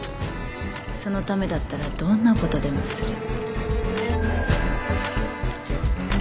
そのためだったらどんなことでもする。